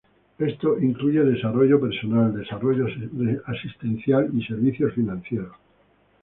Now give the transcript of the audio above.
Esto incluye desarrollo personal, desarrollo asistencial y servicios financieros.